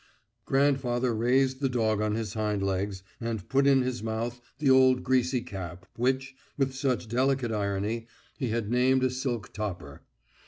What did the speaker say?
Grandfather raised the dog on his hind legs and put in his mouth the old greasy cap which, with such delicate irony, he had named a silk topper.